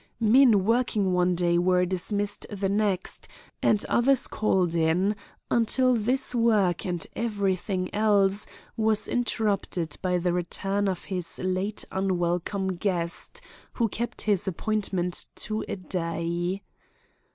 Men working one day were dismissed the next and others called in until this work and everything else was interrupted by the return of his late unwelcome guest, who kept his appointment to a day.